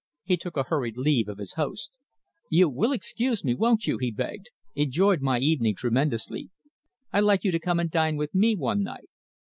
He took a hurried leave of his host. "You will excuse me, won't you?" he begged. "Enjoyed my evening tremendously. I'd like you to come and dine with me one night."